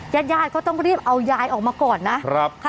ญาติยาติเขาต้องรีบเอายออกมาก่อนนะ